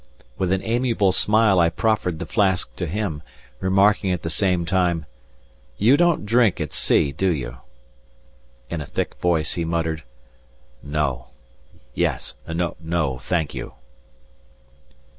With an amiable smile I proffered the flask to him, remarking at the same time: "You don't drink at sea, do you?" In a thick voice he muttered, "No! Yes no! thank you."